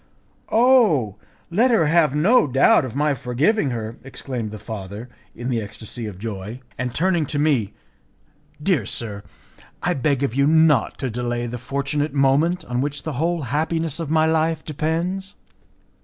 "Oh! let her have no doubt of my forgiving her," exclaimed the father, in the ecstacy of joy, and turning to me, "Dear sir, I beg of you not to delay the fortunate moment on which the whole happiness of my life depends."